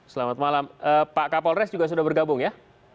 selamat malam pak kapolres juga sudah bergabung ya